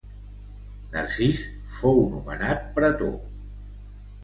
Narcís fou nomenat pretor.